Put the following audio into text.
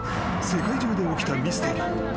世界中で起きたミステリー。